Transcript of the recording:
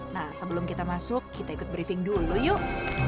nah sebelum kita masuk kita ikut briefing dulu yuk